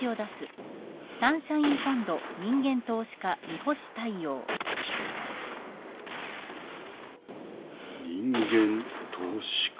人間投資家？